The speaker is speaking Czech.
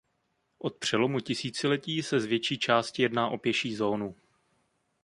Od přelomu tisíciletí se z větší části jedná o pěší zónu.